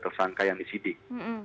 tersangka yang disidik